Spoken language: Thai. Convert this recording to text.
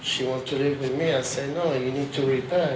ฉันบอกว่าไม่คุณต้องรักษา